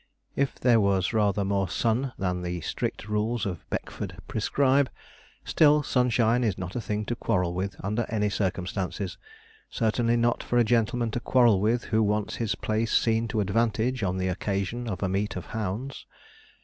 If there was rather more sun than the strict rules of Beckford prescribe, still sunshine is not a thing to quarrel with under any circumstances certainly not for a gentleman to quarrel with who wants his place seen to advantage on the occasion of a meet of hounds.